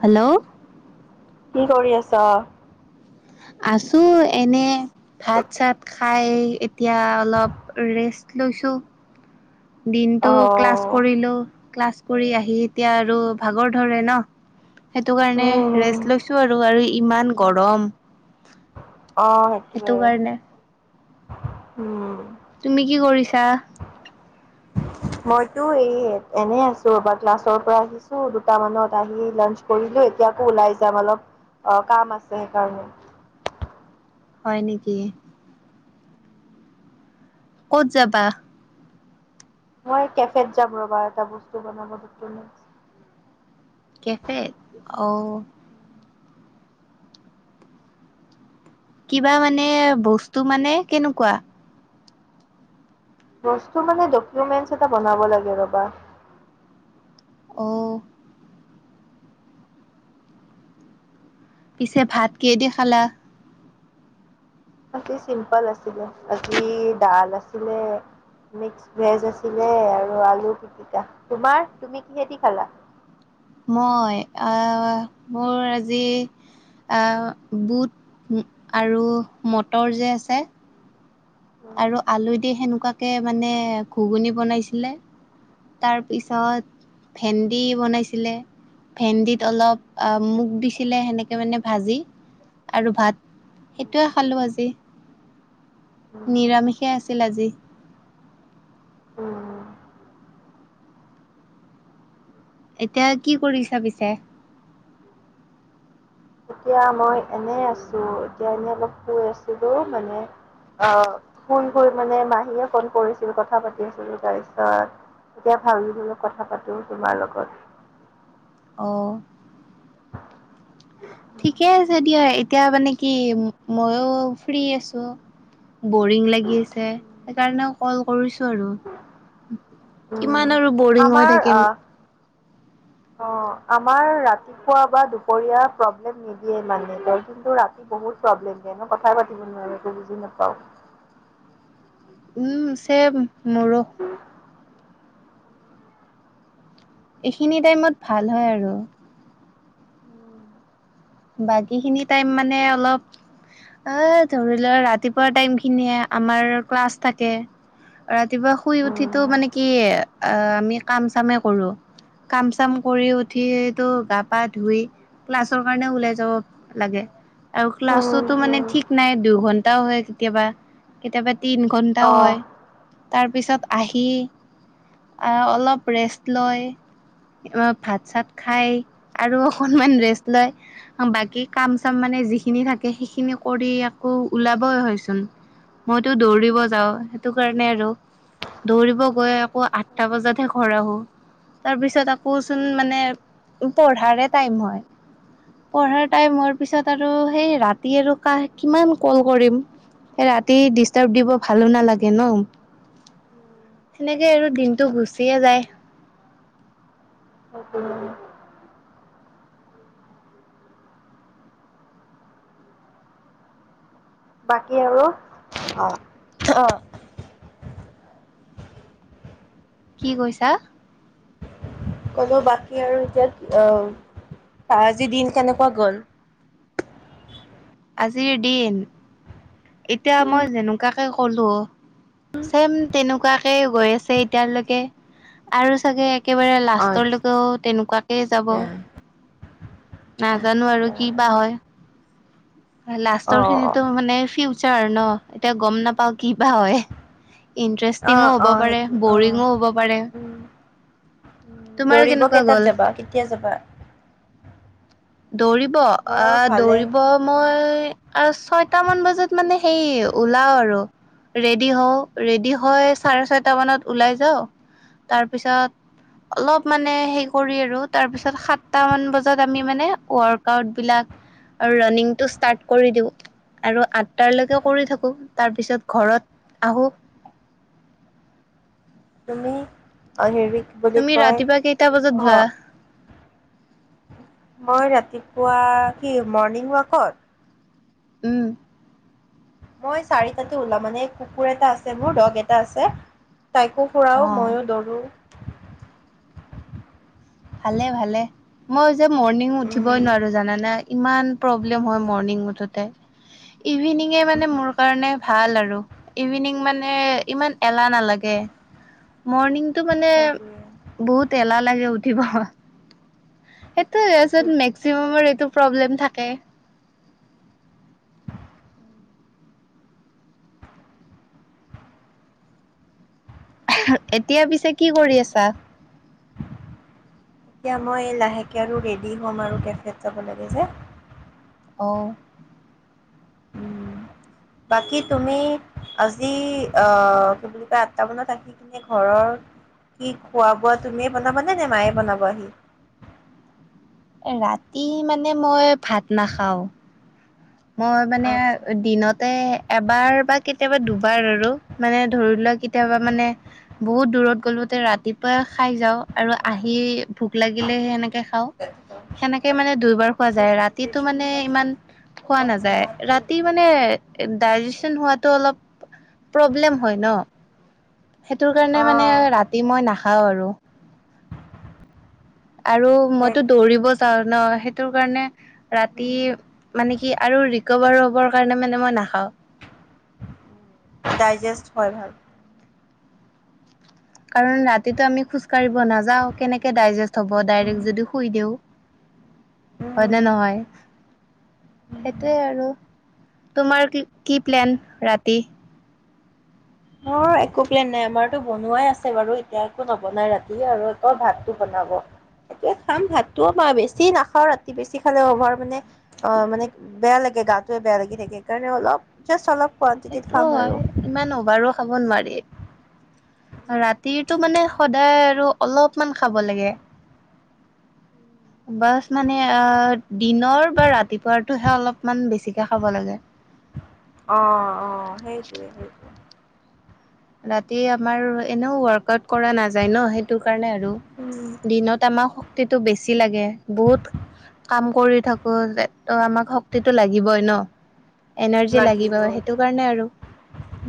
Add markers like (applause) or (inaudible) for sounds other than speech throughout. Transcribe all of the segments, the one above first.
Hello. কি কৰি আছা? আছোঁ এনেই, ভাত-চাত খাই এতিয়া অলপ ৰেষ্ট লৈছোঁ। অ দিনটো ক্লাছ কৰিলো। ক্লাছ কৰি আহি এতিয়া আৰু ভাগৰ ধৰে ন। সেইটো কাৰণে উম ৰেষ্ট লৈছো আৰু আৰু ইমান গৰম। অ' সেইটো সেইটোৱে। কাৰণে উম। তুমি কি কৰিছা? মইতো এই এনে আছো ৰ'বা। ক্লাছৰ পৰা আহিছো দুটা মানত আহি লাঞ্চ কৰিলো। এতিয়া আকৌ ওলাই যাম অলপ কাম আছে সেইকাৰণে। হয় নেকি। ক'ত যাবা? মই কেফেত যাম ৰ'বা এটা বস্তু বনাব দিছো। কেফেত অঁ। কিবা মানে বস্তু মানে কেনেকুৱা? বস্তু মানে ড'কমেণ্টছ এটা বনাব লাগে ৰ'বা। অ'। পিছে ভাত কিহে দি খালা? আজি চিম্পল আছিলে। আজি দাল আছিলে, মিক্স ভেজ আছিলে, আৰু আলু পিটিকা। তোমাৰ তুমি কিহে দি খালা? মই আ মোৰ আজি আ বুট আৰু মটৰ যে আছে উম আৰু আলু দি সেনেকোৱা কে মানে ঘুগুনি বনাইছিলে। তাৰপিছত ভেন্দি বনাইছিলে ভেন্দিত উম অলপ মুগ দিছিলে সেনেকে মানে ভাজি আৰু ভাত সেইটোৱে উম খালোঁ আজি। উম, নিৰামিষে আছিল আজি। উম। এতিয়া কি কৰিছা পিছে? এতিয়া মই এনে আছো। এতিয়া এনেই অলপ শুই আছিলো মানে আহ শুই, শুই মানে মাহীয়ে ফোন কৰিছিল কথা পাতি আছিলো। তাৰপিছত এতিয়া ভাবিলো অলপ কথা পাতো তোমাৰ লগত। অ'। এতিয়া এতিয়া মানে কি মইও ফ্ৰী আছোঁ। বৰিং লাগি আছে সেইকাৰণে কল কৰিছোঁ আৰু। উম, কিমান আৰু বৰিং হৈ আমাৰ থাকিম। আহ অ, আমাৰ ৰাতিপুৱা বা দুপৰীয়া প্ৰব্লেম নিদিয়ে মানে। প্ৰব্লেমটো ৰাতি বহুত প্ৰব্লেম দিয়ে মই কথাই পাতিব নোৱাৰো একো বুজি নাপাওঁ। উম, চেম মোৰো। এইখিনি টাইমত ভাল হয় আৰু। বাকী খিনি টাইম মানে অলপ, অ ধৰি লোৱা ৰাতিপুৱা টাইম খিনিয়ে আমাৰ ক্লাছ থাকে। ৰাতিপুৱা শুই উঠিটো উম, মানে কি আমি কাম চামে কৰো। কাম চাম কৰি উঠি টো গা পা ধুই ক্লাছৰ ওলাই যাব লাগ। আৰু ক্লাছো উম, মানে উম, ঠিক নাই দুইঘন্টাও হয় কেতিয়াবা কেতিয়াবা তিন ঘণ্টাও হয়। তাৰপিছত আহি, অলপ ৰেষ্ট লয় ভাত চাত, খাই আৰু অকণমান ৰেষ্ট লয় বাকী কাম চাম মানে যিখিনি থাকে সেইখিনি কৰি আকৌ ওলাবই হয়চোন মইতো দৌৰিব যাওঁ সেইটো কাৰণে আৰু দৌৰিব গৈ আকৌ আঠটা বজাতহে ঘৰ আহো তাৰপিছত আকৌচোন মানে পঢ়াৰে টাইম হয় পঢ়াৰ টাইম হোৱাৰ পিছত আৰু সেই ৰাতি আৰু কাহ কিমান কল কৰিম ৰাতি ডিষ্টাৰ্ব অ। দিব ভালো নালাগে ন সেনেকে আৰু দিনতটো গুচিয়ে যায় অঁ বাকী আৰু অঁ অঁ কি কৈছা কলো বাকী আৰু এতিয়া আহ আজি দিন কেনেকুৱা গ'ল আজিৰ দিন এতিয়া মই যেনেকুৱাকে কলো চেম তেনেকুৱাকে গৈ আছে এতিয়ালৈকে আৰু চাগে একেবাৰে আচ্ছা। লাষ্টলৈকেও তেনেকুৱাকেই যাব নাজানো আৰু আচ্ছা কি বা হয় অ লাষ্টৰ খিনিতো মানে আৰু ন এতিয়া গম নাপাও কি বা হয় ইণ্টাৰেষ্টিঙো আহ হ'ব আহ পাৰে সেইটো অ বৰিঙো হ'ব পাৰে উ উ তোমাৰ দৌৰিব কেনেকুৱা কেইটাত গ'ল যাবা কেতিয়া যাবা দৌৰিব মোৰ আহ ভালে দৌৰিব মই ছয়টা মান বজাত মানে সেই ওলাও আৰু ৰেডি হও ৰেডি হৈ চাৰে ছয়টা মানত ওলাই যাও তাৰপিছত অলপ মানে হে কৰি আৰু তাৰ পিছত সাতটা মান বজাত আমি মানে ৱৰ্কআউট বিলাক আৰু ৰানিংটো ষ্টাৰ্ট কৰি দিওঁ আৰু তাইলৈকে কৰি থাকো তাৰপিছত ঘৰত আহো তুমি অ হ তুমি ৰাতিপুৱা কেইটা বজাত যোৱা মই ৰাতিপুৱা কি মৰ্ণিং ৱাকত উম মই চাৰিটাতে ওলাম মানে কুকুৰ এটা আছে মোৰ দগ এটা আছে তাইকো অ ফুৰাও ময়ো দৌৰোঁ ভালে ভালে মই যে মৰ্ণিং উঠিবই উম নোৱাৰো জানে ইমান প্ৰব্লেম হয় মৰ্ণিং উঠোতে ইভিনিঙে মানে মোৰ কাৰণে ভাল আৰু ইভিনিং মানে ইমান এলাহ নালাগে মৰ্ণিং টো মানে সেইটোৱে বহুত এলাহ লাগে উ কি ৱাহ সেইটোছত সেইটোৱেতো মেকচিমামৰ এইটো প্ৰব্লেম থাকে উম এতিয়া পিছে কি কৰি আছা এতিয়া মই লাহেকৈ আৰু ৰেডী হ'ম আৰু কেফেত যাব লাগে যে অ উম বাকী তুমি আজি আহ কি বুলি কয় আঠটা মানত আহি কিনে ঘৰৰ কি খোৱা বোৱা তুমিয়ে বনাবানে নে মায়ে বনাবাহি ৰাতি মানে মই ভাত নাখাওঁ মই মানে আচ্ছা দিনতে এবাৰ বা কেতিয়াবা দুবাৰ আৰু মানে ধৰি লোৱাক কেতিয়াবা উম মানে বহুত দূৰত গ'লোতে ৰাতিপুৱাই খাই যাওঁ। আৰু অ আহি ভোক লাগিলে সেনেকে খাওঁ। সেনেকে সেইটোৱে মানে দুইবাৰ খোৱা যায় ৰাতিটো মানে ইমান খোৱা নাযায় ৰাতি মানে দাই জেছন হোৱা টো অলপ প্ৰব্লেম হৈ ন। সেইটো কাৰণে মানে ৰাতি মই না খাওঁ আৰু। আৰু মইতো দৌৰিব যাওঁ। ন সেইটোৰ কাৰণে ৰাতি উম, মানে কি আৰু কভাৰ হ'বৰ কাৰণে মানে মই নাখাওঁ। ডাইজেষ্ট হয় ভাল। কাৰণ ৰাতিটো আমি খোজ কঢ়িব নাযাও কেনেকে ডাইজেষ্ট হব উম। ডাইৰেক্ট যদি শুই দিও। উম, হয়নে নহয় সেইটোৱে আৰু, তোমাৰ কি কি প্লেন ৰাতি? মোৰ একো প্লেন নাই আমাৰতো বনোৱাই আছে বাৰু এতিয়া একো নবনাই ৰাতি আৰু আকৌ ভাতটো বনাব এতিয়া খাম ভাতটো বা বেছি নাখাও ৰাতি বেছি খালে অভাৰ মানে অ মানে বেয়া লাগে গাটোৱে বেয়া লাগি থাকে সকাৰণে অলপ জাষ্ট অলপ কোৱানটিটিত সেইটো খাম হয় আৰু। ইমান অভাৰো খাব নোৱাৰি ৰাতিটো মানে সদায় আৰু অলপমান খাব লাগে বাছ মানে আহ দিনৰ বা ৰাতিপুৱাৰটোহে অলপমান বেছিকে খাব লাগে। অ', অ', সেইটোৱে সেইটোৱে। ৰাতি আমাৰ এনেও ৱৰ্কআউট কৰা নাযায় ন সেইটো কাৰণে আৰু দিনত আমাক শক্তিটো বেছি লাগে বহুত কাম কৰি থাকো আমাক শক্তিটো লাগিবই ন। এনাৰ্জি লাগিব সেইটো কাৰণে আৰু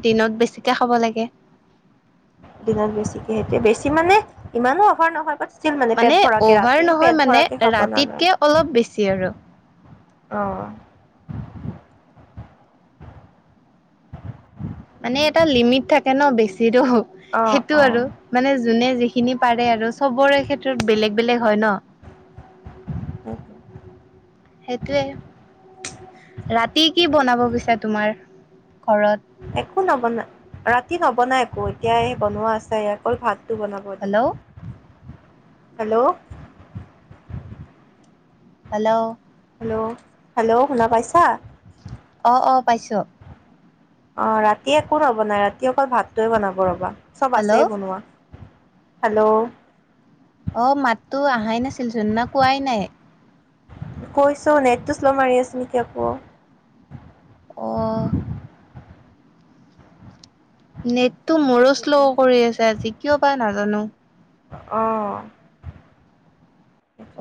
দিনত বেছিকে হ' লাগে। (unintelligible) দিনত বেছিকে এতিয়া বেছি মানে ইমানো অহাৰ নহয় বা মানে অভাৰ নহয় মানে খাব নালাগে। ৰাতিতকে অলপ বেছি আৰু। অঁ', মানে এটা লিমিট থাকে ন বেছি (unintelligible) হওক অ সেইটো অ। আৰু মানে যোনে যিখিনি পাৰে আৰু চবৰে ক্ষেত্ৰত বেলেগ বেলেগ হয় ন। উম। সেইটোৱে ৰাতি কি বনাব গৈছা তোমাৰ। ঘৰত একো নবনাই ৰা ৰাতি নবনায় একো এতিয়া বনোৱা আছে অকল ভাত টো বনাব দিয়ে। Hello hello hello hello hello শুনা পাইছা। অ অ পাইছো। অ ৰাতি একো নবনাই ৰাতি অকল ভাতটো হে বনাব। চব আছে হেল্ল' বনোৱা। হেল্ল' অ মাততো অহাই নাছিল জোননা কোৱাই নাই কৈছো নেটটো শ্ল' মাৰি আছে নেকি আকৌ অ' নে তো মোৰো শ্ল' সেইটোৱে কৰি আছে আজি কিয় পায় নাজানো অঁ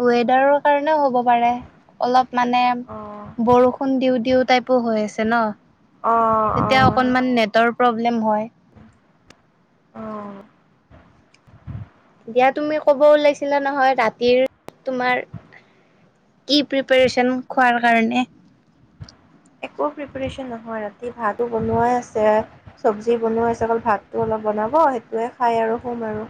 ৱেডাৰ কাৰণেও হ'ব অলপ মানে অ বৰষুণ দিওঁ -দিওঁ টাইপো হৈ আছে ন অ অ তেতিয়া অকনমান নেটৰ প্ৰব্লেম হয় আহ দিয়া তুমি ক'ব ওলাইছিলা নহয়, ৰাতিৰ তোমাৰ কি প্ৰিপাৰেচন খোৱাৰ কাৰণে একো প্ৰিপচন নহয় ৰাতি ভাতো বনোৱাই আছে চব্জি বনাই আছে অকল ভাতটো অলপ বনাব সেইটোয়ে খাই আৰু শুম আৰু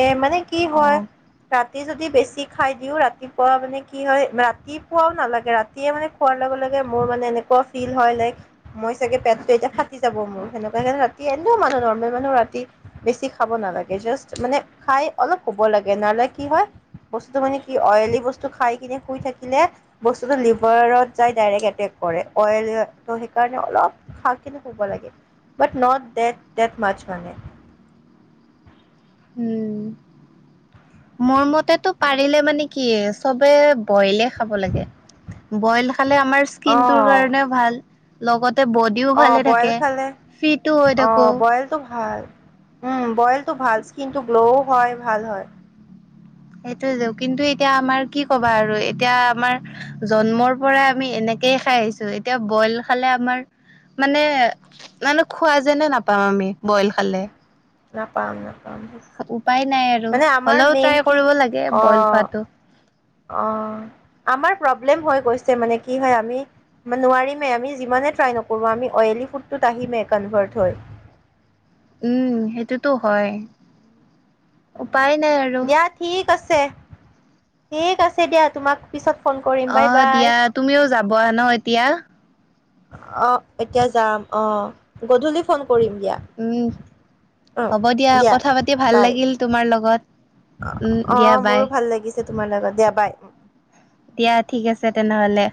এ মানে কি অ হয় তাত ৰাতি যদি বেছি খাই দিওঁ ৰাতিপুৱা মানে কি হয় ৰাতিপুৱাও নালাগে ৰাতিয়ে মানে খোৱাৰ লগে লগে মোৰ মানে এনেকুৱা ফিল হয় লাইক মই চাগে পেটটো এতিয়া ফাটি যাব মোৰ সেনেকুৱা ৰাতি এনেও মানুহ নৰ্মেল মানুহ ৰাতি বেছি খাব নালাগে জাষ্ট মানে খাই অলপ কব লাগে নহ'লে কি হয় বস্তুতটো মানে কি অইলি বস্তু খাই কিনে শুই থাকিলে বস্তুতটো লিভাৰত যায় ডাইৰেক্ এটেক অই ত সেইকাৰণে অলপ খ কিি শুব লাগে বাট নট ডেট মাচ্ মানে উম মোৰ মতেতটো পাৰিলে মানে কি চবে বইলে খাব লাগে, বইল খালে আমাৰ স্কিনটোৰ অ কাৰণেও ভাল লগত ততে বডিও অ', ভালে বইল থাকে, খালে ফিটো হৈ থাকো অ', বইলটো ভাল। উম বইলটো ভাল স্কিনটো গ্ল'ও হয়, ভাল হয় সেইটোয়ে য কিন্তু এতিয়া আমাৰ কি কবা আৰু এতিয়া আমাৰ জন্মৰ পৰাই আমি এনেকেই খাই আহিছো এতিয়া বইল খালে আমাৰ মানে মানে খোৱা যেনে নাপাও আমি বইল খালে ন পাম ন উপায় নাই আৰু হ'লেও মেইন ট্ৰাই কৰিব লাগে বইল খোৱাটো। অঁহ, আমাৰ প্ৰব্লেম হৈ গৈছে মানে কি হয় আমি নোৱাৰিমেই আমি যিমানে ট্ৰাই নকৰোঁ আমি অইেলী ফুডটোত আহিমেই কনভাৰ্ট হৈ। উম, সেইটোটো হয়। উপায় নাই আৰু। দিয়া ঠিক আছে, ঠিক আছে দিয়া তোমাক পিছত ফোন কৰিম অ, বাই বাই। দিয়া তুমিও যাবা বোৱা ন এতিয়া। অ, এতিয়া যাম অ, গধূলি ফোন কৰিম দিয়া উম হ'ব দিয়া কথা পাতি ভাল বাই লাগিল তোমাৰ লগত। উম, দিয়া অ', বাই। মোৰো ভাল লাগিছে তোমাৰ লগত দিয়া বাই। দিয়া ঠিক আছে তেনেহলে।